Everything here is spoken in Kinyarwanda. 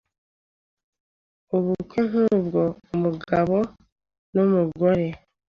Ubumwe nk ubw umugabo n umugore